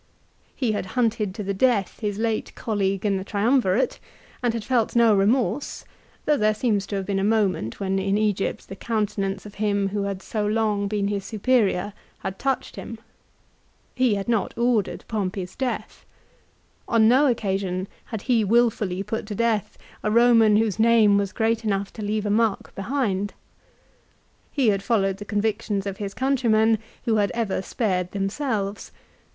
He had hunted to the death his late colleague in the Triumvirate, and had felt no remorse, though there seems to have been a moment when in Egypt the countenance of him who had so long been his superior, had touched him. He had not ordered Pompey's death. On no occasion had he wilfully put to death a Roman whose name was great enough to leave a mark behind. He had followed the convictions of his countrymen who had ever spared themselves.